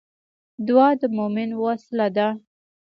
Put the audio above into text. دعا د مومن وسله ده